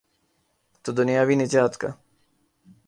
تو دنیاوی نجات کا۔